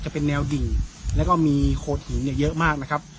จะเป็นแนวดิ่งแล้วก็มีโขดหินเนี่ยเยอะมากนะครับ